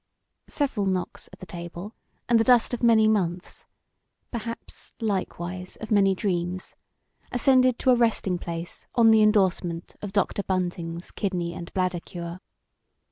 Several knocks at the table, and the dust of many months perhaps likewise of many dreams ascended to a resting place on the endorsement of Dr. Bunting's Kidney and Bladder Cure.